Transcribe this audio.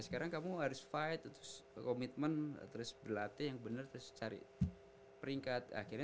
sekarang kamu harus fight terus komitmen terus berlatih yang bener terus cari peringkat akhirnya